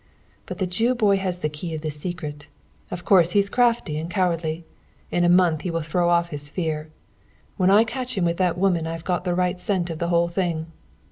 "But the Jew boy has the key of the secret! Of course, he's crafty and cowardly. In a month he will throw off his fear. When I catch him with that woman I've got the right scent of the whole thing.